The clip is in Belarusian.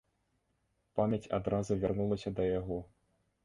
Памяць адразу вярнулася да яго.